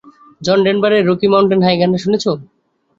জন ডেনভারের Rocky Mountain High গানটা শুনেছ?